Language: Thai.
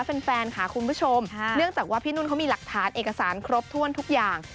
แฟนค่ะคุณผู้ชมเนื่องจากว่าพี่นุ่นเขามีหลักฐานเอกสารครบถ้วนทุกอย่าง